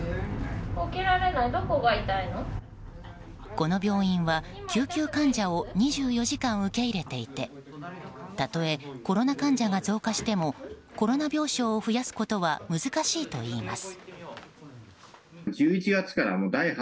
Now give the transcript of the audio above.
この病院は救急患者を２４時間受け入れていてたとえ、コロナ患者が増加してもコロナ病床を増やすことは難しいといいます。